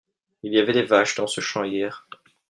il y avait des vaches dans ce hamps hier.